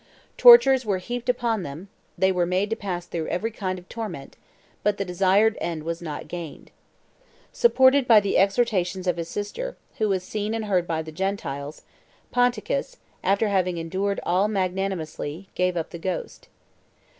Tortures were heaped upon them; they were made to pass through every kind of torment, but the desired end was not gained. Supported by the exhortations of his sister, who was seen and heard by the Gentiles, Ponticus, after having endured all magnanimously, gave up the ghost.